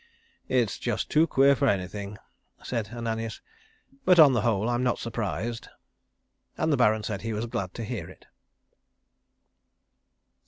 "It's just too queer for anything," said Ananias, "but on the whole I'm not surprised." And the Baron said he was glad to hear it.